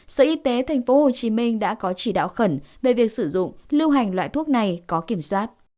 sở y tế tp hcm đã có chỉ đạo khẩn về việc sử dụng lưu hành loại thuốc này có kiểm soát